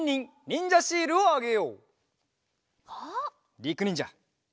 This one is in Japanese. りくにんじゃ！